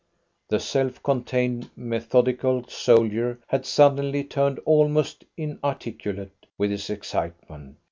The self contained, methodical soldier had suddenly turned almost inarticulate with his excitement.